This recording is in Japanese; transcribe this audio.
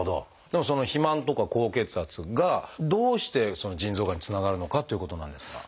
でもその肥満とか高血圧がどうして腎臓がんにつながるのかっていうことなんですが。